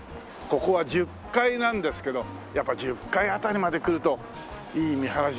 ここは１０階なんですけどやっぱ１０階辺りまで来るといい見晴らしだよね。